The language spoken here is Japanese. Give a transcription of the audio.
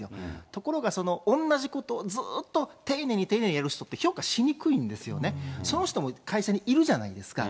ところが同じことをずっと丁寧に丁寧にやる人って評価しにくいんですよね、その人も会社にいるじゃないですか。